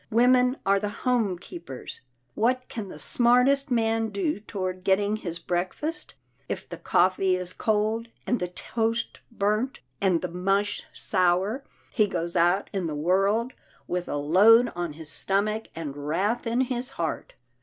Women are the home keepers — What can the smartest man do toward getting his breakfast? If the coffee is cold, and the toast burnt, and the mush sour, he goes out in the world with a load on his stomach, and wrath in his heart.